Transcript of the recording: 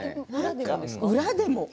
裏でも。